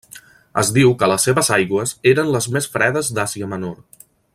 Es diu que les seves aigües eren les més fredes d'Àsia Menor.